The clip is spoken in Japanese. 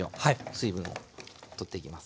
水分を取っていきます。